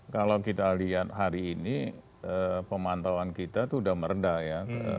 kalau kita lihat hari ini pemantauan kita itu sudah meredah ya